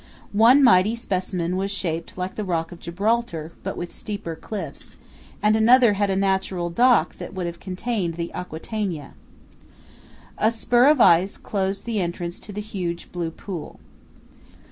One mighty specimen was shaped like the Rock of Gibraltar but with steeper cliffs, and another had a natural dock that would have contained the Aquitania. A spur of ice closed the entrance to the huge blue pool.